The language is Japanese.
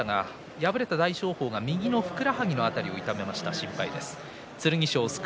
敗れた大翔鵬右のふくらはぎの辺りを痛めて心配です。